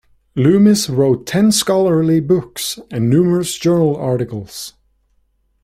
Loomis wrote ten scholarly books and numerous journal articles.